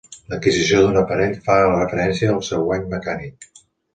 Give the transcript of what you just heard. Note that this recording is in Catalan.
L'adquisició d'un aparell fa referència al seu guany mecànic.